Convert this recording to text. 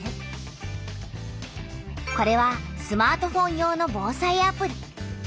これはスマートフォン用の「防災アプリ」。